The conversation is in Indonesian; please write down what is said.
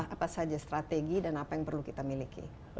apa saja strategi dan apa yang perlu kita miliki